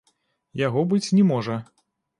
Яго быць не можа.